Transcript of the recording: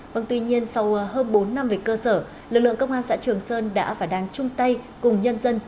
vâng tuy nhiên sau hơn bốn năm về cơ sở lực lượng công an xã trường sơn đã và đang chung tay cùng nhân dân